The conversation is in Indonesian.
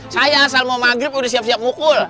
saya asal mau maghrib udah siap siap mukul